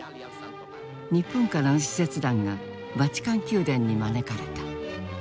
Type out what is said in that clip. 日本からの使節団がバチカン宮殿に招かれた。